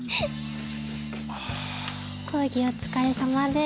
講義お疲れさまです。